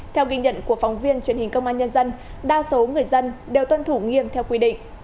theo ghi nhận của phóng viên truyền hình công an nhân dân đa số người dân đều tuân thủ nghiêm theo quy định